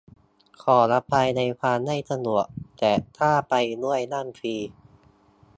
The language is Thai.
ขออภัยในความไม่สะดวก แต่ถ้าไปด้วยนั่งฟรี